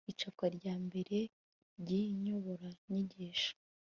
icapwa rya mbere ry iyi nyoboranyigisho